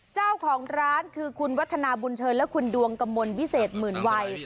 เจ้าของร้านคือคุณวัฒนาบุญเชิญและคุณดวงกมลวิเศษหมื่นวัย